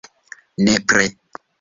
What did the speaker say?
Nepre.